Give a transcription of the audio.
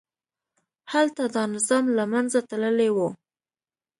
هلته دا نظام له منځه تللي وو.